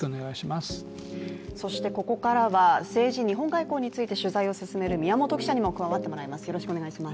そして、ここからは政治・日本外交について取材を進める宮本記者にも加わってもらいます。